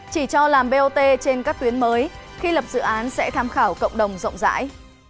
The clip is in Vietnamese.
chỉ cho làm bot trên các tuyến mới khi lập dự án sẽ tham khảo cộng đồng rộng rãi